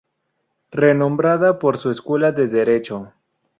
Renombrada por su escuela de Derecho.